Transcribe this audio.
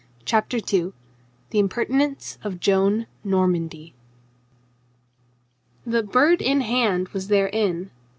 CHAPTER TWO THE IMPERTINENCE OF JOAN NORMANDY THE "Bird in Hand" was their inn.